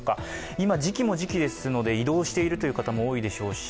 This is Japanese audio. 今、時期も時期ですので移動しているという方も多いでしょうし